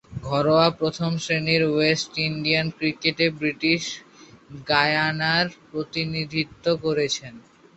ঘরোয়া প্রথম-শ্রেণীর West Indian ক্রিকেটে ব্রিটিশ গায়ানার প্রতিনিধিত্ব করেছেন।